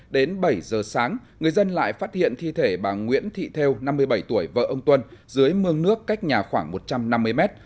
đến bảy giờ sáng người dân lại phát hiện thi thể bà nguyễn thị thêu năm mươi bảy tuổi vợ ông tuân dưới mương nước cách nhà khoảng một trăm năm mươi mét